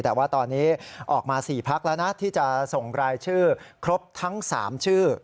แต่ว่าตอนนี้ออกมา๔พักแล้วนะที่จะส่งรายชื่อครบทั้ง๓ชื่อ